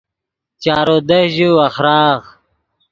چارو دست ژے وخراغ